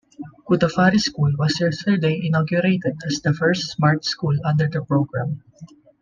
Kudafari School was yesterday inaugurated as the first Smart School under the programme.